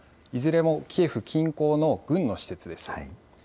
いずれもキエフ近郊の軍の施設です。